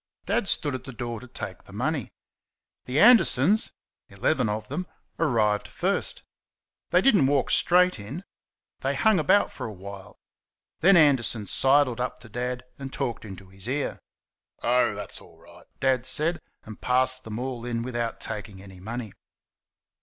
Dad stood at the door to take the money. The Andersons eleven of them arrived first. They did n't walk straight in. They hung about for a while. Then Anderson sidled up to Dad and talked into his ear. "Oh! that's all right," Dad said, and passed them all in without taking any money.